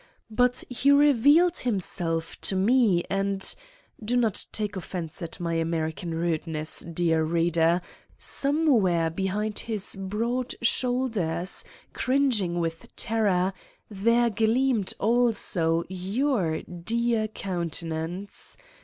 But he revealed himself to me and do not take offense at my American rudeness, dear reader: somewhere behind his broad shoulders, cringing with terror, there gleamed also your dear countenance.